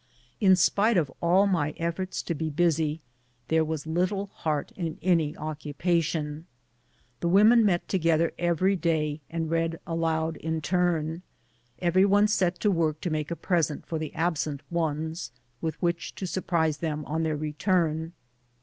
In spite of all my efforts to be busy, there was little heart in any occupa tion. The women met together every day and read aloud in turn. Every one set to work to make a pres ent for the absent ones with which to surprise them on their return.